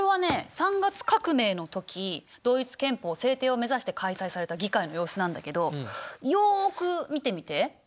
３月革命の時ドイツ憲法制定を目指して開催された議会の様子なんだけどよく見てみて。